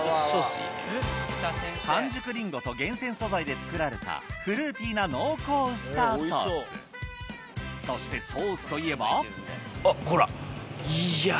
完熟リンゴと厳選素材で作られたフルーティーな濃厚ウスターソースそしてソースといえばほら！